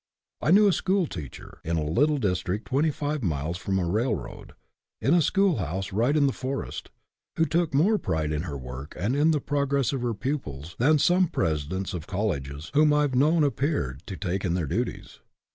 I knew a school teacher in a little district twenty five miles from a rail road, in a schoolhouse right in the forest, who took more pride in her work and in the prog ress of her pupils than some presidents of colleges whom I have known appeared to take in their duties.